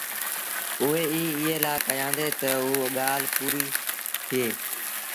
اُئي ايٚ ايٚئي لآ ڪهيآندي تا اوٚ ڳآل پوريٚ ٿئي